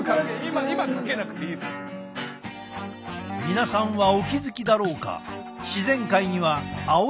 皆さんはお気付きだろうか？